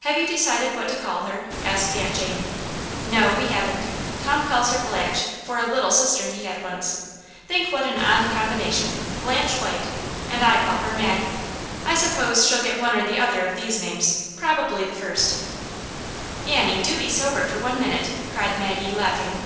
Have you decided what to call her V asked Aunt Jane. " No, we haven't. Tom calls her Blanche, for a little sister he had once ; think what an odd com bination, Blanche White ! And I call her Mag. I suppose shell get one or the other of these names; probably the first." Aunt Jane's Hero. 221 "Annie, do be sober for one minute," cried Maggie, laughing.